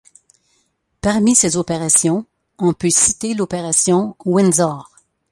Parmi ces opérations on peut citer l'opération Windsor.